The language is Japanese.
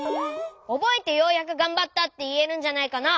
おぼえてようやくがんばったっていえるんじゃないかな？